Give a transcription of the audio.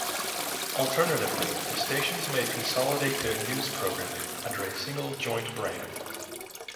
Alternatively, the stations may consolidate their news programming under a single joint brand.